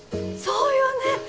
そうよね。